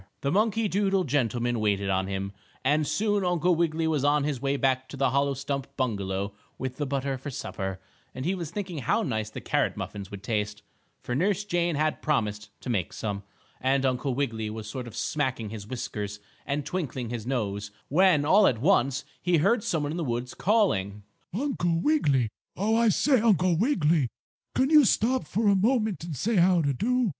The monkey doodle gentleman waited on him, and soon Uncle Wiggily was on his way back to the hollow stump bungalow with the butter for supper, and he was thinking how nice the carrot muffins would taste, for Nurse Jane had promised to make some, and Uncle Wiggily was sort of smacking his whiskers and twinkling his nose, when, all at once, he heard some one in the woods calling: "Uncle Wiggily! Oh, I say, Uncle Wiggily! Can't you stop for a moment and say how d' do?"